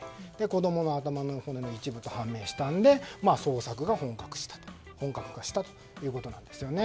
子供の頭の骨の一部と判明したので捜索が本格化したということです。